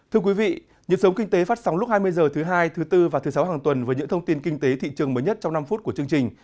thưa quý vị nhật sống kinh tế phát sóng lúc hai mươi h thứ hai thứ bốn và thứ sáu hàng tuần với những thông tin kinh tế thị trường mới nhất trong năm phút của chương trình